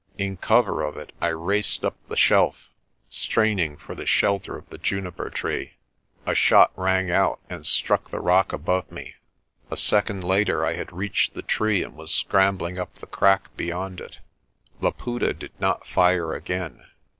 In cover of it I raced up the shelf, strain ing for the shelter of the juniper tree. A shot rang out and struck the rock above me. A second A DEAL AND ITS CONSEQUENCES 211 later I had reached the tree and was scrambling up the crack beyond it. Laputa did not fire again.